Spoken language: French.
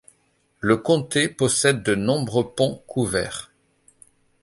Le comté possède de nombreux ponts couverts.